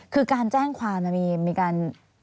คือการแจ้งความมีการ